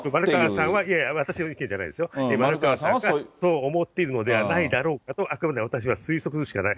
私の意見じゃないですよ、丸川さんは、そう思っているのではないだろうかと、あくまで私は推測でしかない。